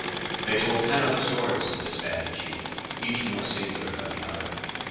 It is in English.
"They told ten other stories of this bandit chief, each more singular than the other.